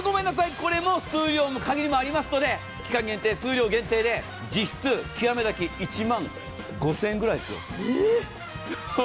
これも数量も限りがありますので期間限定、数量限定で実質、極め炊き１万５０００円ぐらいですよ。